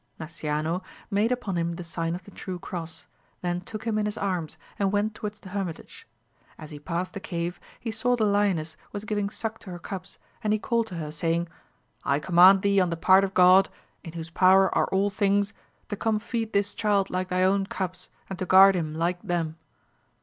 Nasciano made upon him the sign of the true cross, then took him in his arms, and went towards the hermitage. As he past the cave, he saw the lioness was giving suck to her cubs, and he called to her, saying, I command thee on the part of God, in whose power are all things, to come feed this child like thy own cubs, and to guard him like them.